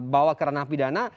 bawa ke ranah pidana